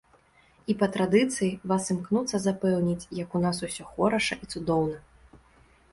І па традыцыі вас імкнуцца запэўніць, як у нас усё хораша і цудоўна.